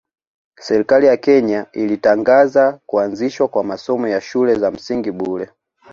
Serikali ya Kenya ilitangaza kuanzishwa kwa masomo ya shule za msingi bure